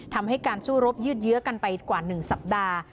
ทำให้การสู้รบยืดเยื้อกันไปกว่า๑สัปดาห์